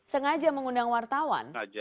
sengaja mengundang wartawan